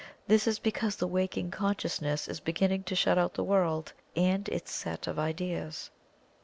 This is because the waking consciousness is beginning to shut out the world and its set of ideas.